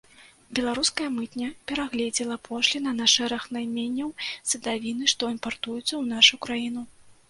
Беларуская мытня перагледзела пошліны на шэраг найменняў садавіны, што імпартуецца ў нашу краіну.